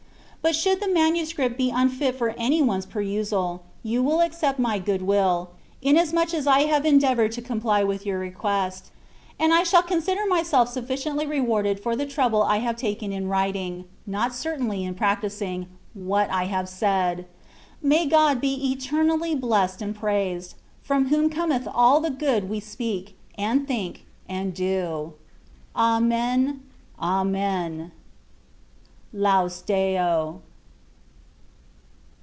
But should the manuscript be unfit for any one's perusal, you wiU accept my good'Willy inasmuch as I have endeavoured to * The Saint mentions this holy man in her Life. 218 THE WAY OF PERFECTION. comply with your request ; and I shall consider myself suflSciently rewarded for the trouble I have taken in writing (not certainly in practising) what I have said. May God be eternally blessed and praised^ from whom cometh all the good we speak^ and think^ and do. Amen^ Amen. LAUS DEO.